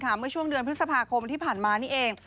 เมื่อช่วงเดือนพฤษภาคมที่ผ่านมานี่เอง